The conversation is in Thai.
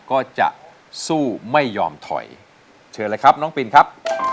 ก็จะสู้ไม่ยอมถอยเชิญเลยครับน้องปินครับ